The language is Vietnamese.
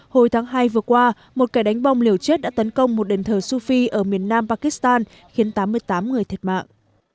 hồi tháng hai vừa qua một kẻ đánh bom liều chết đã tấn công một đền thờ suphie ở miền nam pakistan khiến tám mươi tám người thiệt mạng